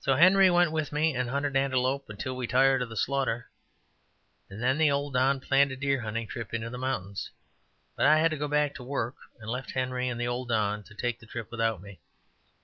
So Henry went with me, and we hunted antelope until we tired of the slaughter. Then the old Don planned a deer hunting trip in the mountains, but I had to go back to work, and left Henry and the old Don to take the trip without me.